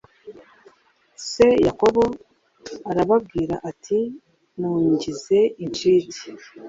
Se yakobo arababwira ati mungize incike